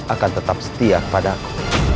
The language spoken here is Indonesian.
akan tetap setia kepada aku